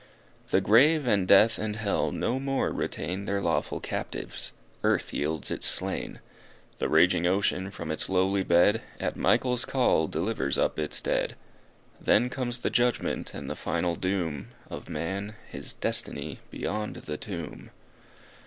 The grave and death and hell no more retain Their lawful captives. Earth yields its slain. The raging ocean, from its lowly bed, At Michael's call, delivers up its dead. Then comes the judgment, and the final doom Of man his destiny beyond the tomb.